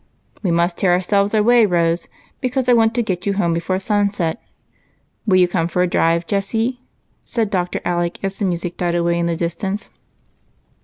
"We must tear ourselves away, Rose, because I want to get you home before sunset. Will you come for a drive, Jessie ?" said Dr. Alec, as the music died away in the distance.